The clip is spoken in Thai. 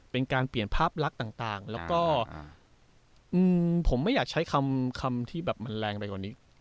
เป็นการเปลี่ยนภาพลักษณ์ต่างแล้วก็ผมไม่อยากใช้คำที่แบบมันแรงไปกว่านี้